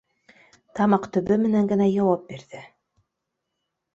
Тамаҡ төбө менән генә яуап бирҙе: